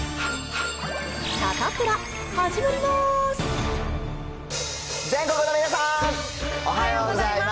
サタプラ、始まります。